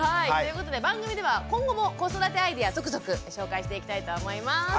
はいということで番組では今後も子育てアイデア続々ご紹介していきたいと思います。